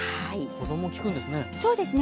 保存もきくんですね。